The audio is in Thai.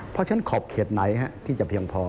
เพราะฉะนั้นขอบเขตไหนที่จะเพียงพอ